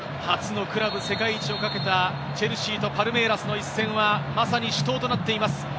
初のクラブ世界一を懸けたチェルシーとパルメイラスの一戦はまさに死闘となっています。